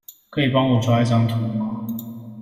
可以幫我抓一張圖嗎？